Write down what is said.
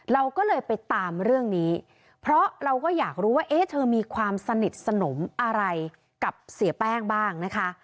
เราก็เลยไปตามเรื่องนี้เพราะเราก็อยากรู้ว่าเอ๊ะเธอมีความสนิทสนมอะไรกับเสียแป้งบ้างนะคะ